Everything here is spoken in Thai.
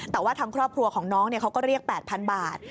แต่ว่าทางครอบครัวของน้องเขาก็เรียก๘๐๐๐บาท